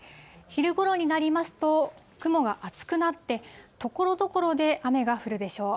昼ごろになりますと、雲が厚くなって、ところどころで雨が降るでしょう。